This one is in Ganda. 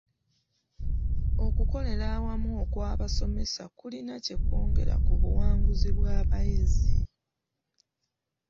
Okukolera awamu okw'abasomesa kulina kye kwongera ku buwanguzi bw'abayizi.